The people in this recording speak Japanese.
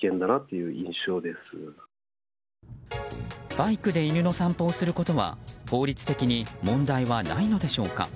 バイクで犬の散歩をすることは法律的に問題はないのでしょうか。